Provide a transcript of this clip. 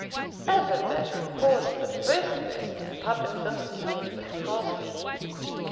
As a matter of course the first burst of public sympathy went with Crosbie.